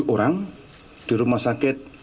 enam orang di rumah sakit